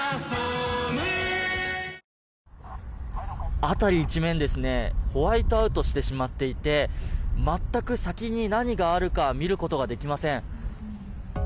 辺り一面ホワイトアウトしてしまっていて全く先に何があるか見ることができません。